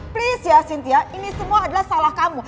please ya cynthia ini semua adalah salah kamu